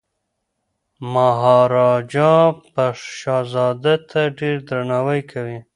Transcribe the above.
مهاراجا به شهزاده ته ډیر درناوی کوي.